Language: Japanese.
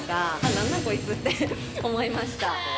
何なんこいつって思いました。